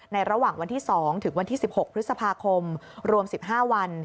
ระหว่างวันที่๒ถึงวันที่๑๖พฤษภาคมรวม๑๕วัน